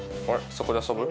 そこで遊ぶ？